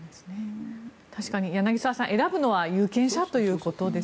確かに柳澤さん選ぶのは有権者ということです。